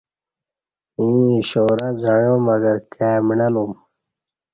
ییں اشارہ زعݩیا مگر کائ مݨہ لُوم